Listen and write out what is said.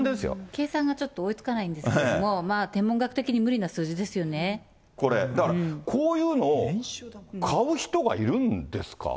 計算がちょっと追いつかないんですけども、天文学的に無理なこれ、だから、こういうのを買う人がいるんですか。